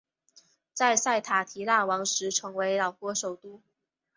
在塞塔提腊王时成为老挝首都。